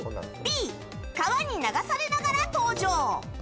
Ｂ、川に流されながら登場。